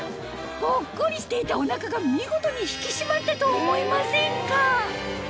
ぽっこりしていたお腹が見事に引き締まったと思いませんか？